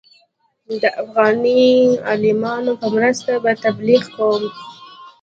د افغاني عالمانو په مرسته به تبلیغ کوم.